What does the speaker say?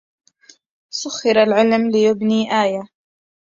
سخر العلم ليبني آية